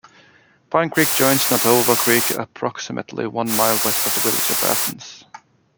Pine Creek joins Nottowa Creek approximately one mile west of the village of Athens.